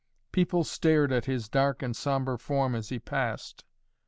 People stared at his dark and sombre form as he passed.